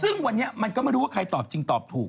ซึ่งวันนี้มันก็ไม่รู้ว่าใครตอบจริงตอบถูก